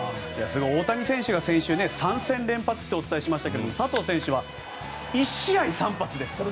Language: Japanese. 大谷選手が先週３戦連発とお伝えしましたが佐藤選手は１試合３発ですから。